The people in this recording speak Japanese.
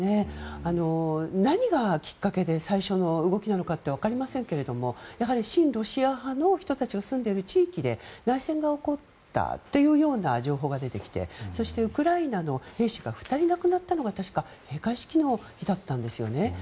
何がきかっけで最初の動きなのかわかりませんけども親ロシア派の人たちが住んでいる地域で内戦が起こったというような情報が出てきてそして、ウクライナの兵士が２人亡くなったのが確か閉会式の時だったんですよね。